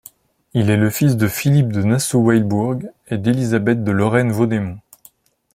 Il est le fils de Philippe de Nassau-Weilbourg et d'Élisabeth de Lorraine-Vaudémont.